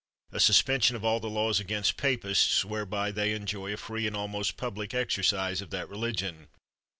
A suspension ot all laws against papists, whereby they enjoy a free and almost public exercise of that religion.